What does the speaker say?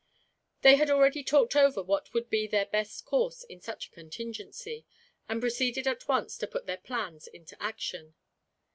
They had already talked over what would be their best course in such a contingency, and proceeded at once to put their plans into execution.